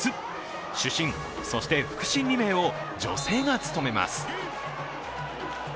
主審、そして副審２名を女性が務めます。